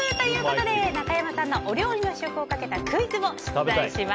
中山さんのお料理の試食をかけたクイズを出題します。